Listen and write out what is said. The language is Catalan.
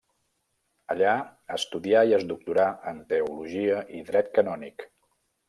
Allà, estudià i es doctorà en Teologia i Dret canònic.